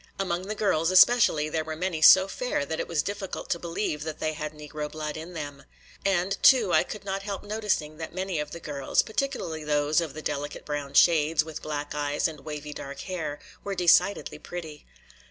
Among the girls especially there were many so fair that it was difficult to believe that they had Negro blood in them. And, too, I could not help noticing that many of the girls, particularly those of the delicate brown shades, with black eyes and wavy dark hair, were decidedly pretty.